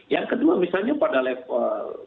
yang kedua misalnya pada level